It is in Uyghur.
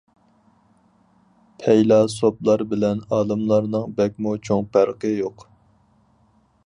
پەيلاسوپلار بىلەن ئالىملارنىڭ بەكمۇ چوڭ پەرقى يوق.